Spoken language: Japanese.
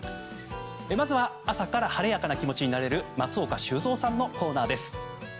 まずは、朝から晴れやかな気持ちになれる松岡修造さんのコーナーです。